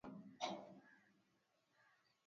vita hiyo ilidhoofisha nguvu za taifa kwa miaka mingi